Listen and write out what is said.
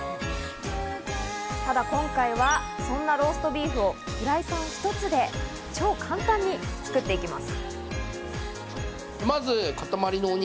ただ今回はそんなローストビーフをフライパン１つで超簡単に作っていきます。